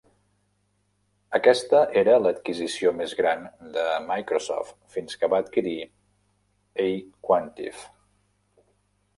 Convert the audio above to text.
Aquesta era l'adquisició més gran de Microsoft fins que va adquirir aQuantive.